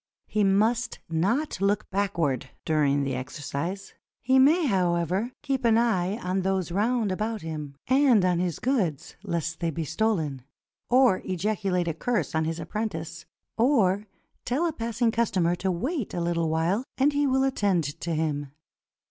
He must not look backward during the exercise. He may, however, keep an eye on those round about him, and on his goods lest they be stolen, or ejaculate a curse on his apprentice, or tell a passing customer to wait a Httle while and he will attend to him.